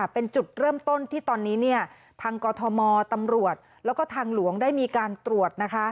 เป็นจุดเริ่มต้นที่ตอนนี้ทางกอทมตำรวจแล้วก็ทางหลวงได้มีการตรวจ